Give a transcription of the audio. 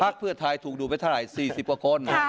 พักเพื่อนทายถูกดูไปเท่าไหร่สี่สิบกว่าคน